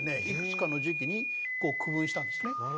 いくつかの時期に区分したんですね。